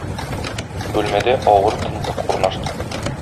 Бүлмәдә авыр тынлык урнашты.